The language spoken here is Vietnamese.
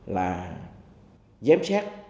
là giám sát